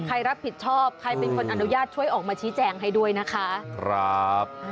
ใครรับผิดชอบใครเป็นคนอนุญาตช่วยออกมาชี้แจงให้ด้วยนะคะครับ